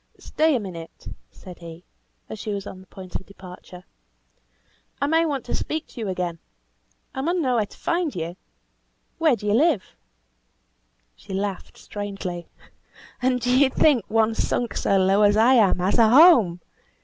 "Stay a minute," said he, as she was on the point of departure. "I may want to speak to you again. I mun know where to find you where do you live?" She laughed strangely. "And do you think one sunk so low as I am has a home?